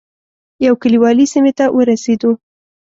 یو کلیوالي سیمې ته ورسېدو.